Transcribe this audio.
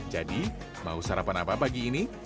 jadi mau sarapan apa pagi ini